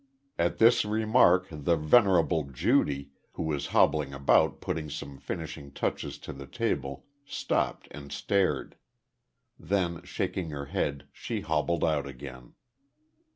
At this remark the venerable Judy, who was hobbling about putting some finishing touches to the table, stopped and stared. Then, shaking her head, she hobbled out again.